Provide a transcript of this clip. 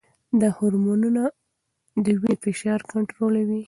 دا هرمونونه د وینې فشار کنټرولوي.